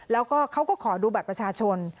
แล้วก็เขาก็ขอดูบัตรประชาชน